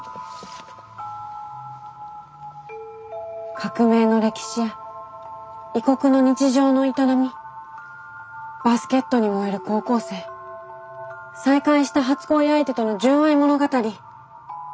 革命の歴史や異国の日常の営みバスケットに燃える高校生再会した初恋相手との純愛物語。